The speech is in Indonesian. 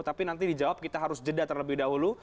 tapi nanti dijawab kita harus jeda terlebih dahulu